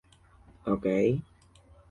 Figura como mercader, vecino de Buenos Aires.